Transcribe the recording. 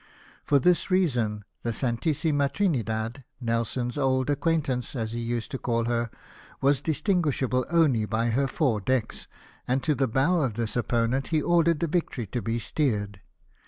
For this reason, the Santissima Trinidad, Nelson's old acquaintance, as he used to call her, was distinguish able only by her four decks : and to the bow of this opponent he ordered the Victory to be steered.